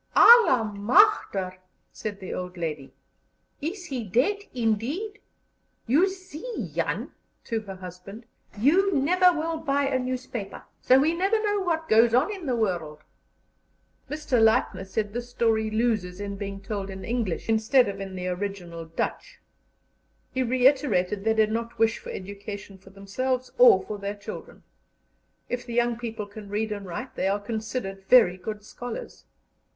"Alle machter!" said the old lady. "Is He dead indeed? You see, Jan" (to her husband) "you never will buy a newspaper, so we never know what goes on in the world." Mr. Leipner said this story loses in being told in English instead of in the original Dutch. He reiterated they did not wish for education for themselves or for their children. If the young people can read and write, they are considered very good scholars.